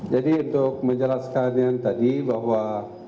jadi untuk menjelaskan yang tadi bahwa